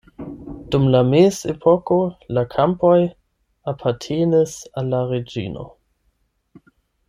Dum la mezepoko la kampoj apartenis al la reĝino.